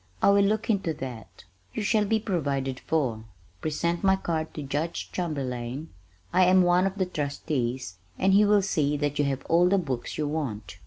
"I will look into that. You shall be provided for. Present my card to Judge Chamberlain; I am one of the trustees, and he will see that you have all the books you want."